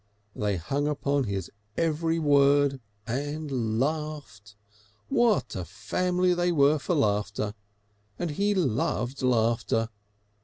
They hung upon his every word and laughed. What a family they were for laughter! And he loved laughter.